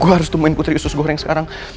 gue harus tumuin putri sus goreng sekarang